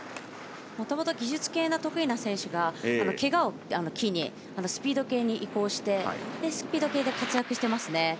もともと技術系が得意な選手がけがを機にスピード系に移行してスピード系で活躍しています。